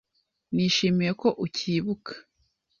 Nishimiye ko ukibuka.